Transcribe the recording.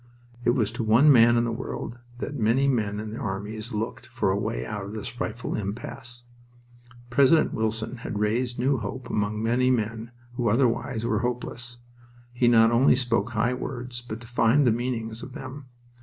It was to one man in the world that many men in all armies looked for a way out of this frightful impasse. President Wilson had raised new hope among many men who otherwise were hopeless. He not only spoke high words, but defined the meanings of them.